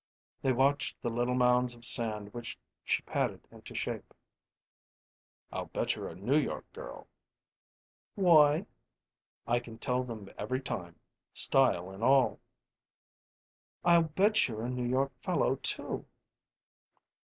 They watched the little mounds of sand which she patted into shape. "I'll bet you're a New York girl." "Why?" "I can tell them every time style and all." "I'll bet you're a New York fellow, too."